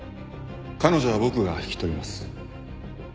彼女は僕が引き取ります。